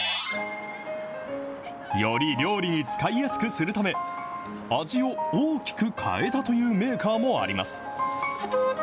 より料理に使いやすくするため、味を大きく変えたというメーカーもあります。